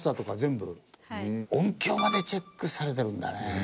音響までチェックされてるんだね。